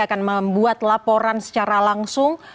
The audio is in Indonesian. akan membuat laporan secara langsung